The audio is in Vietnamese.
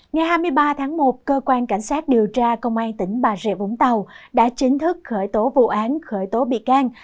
ngày hai mươi ba tháng một cơ quan cảnh sát điều tra công an tỉnh bà rịa vũng tàu đã chính thức khởi tố vụ án khởi tố bị can